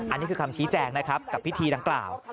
อันนี้คือคำชี้แจงนะครับกับพิธีดังกล่าว